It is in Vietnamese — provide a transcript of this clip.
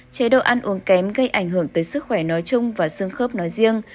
chế độ ăn uống kém gây ảnh hưởng tới sức khỏe nói chung và xương khớp nói riêng